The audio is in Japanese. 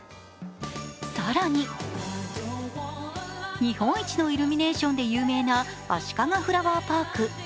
更に日本一のイルミネーションで有名なあしかがフラワーパーク。